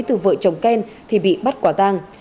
từ vợ chồng ken thì bị bắt quả tàng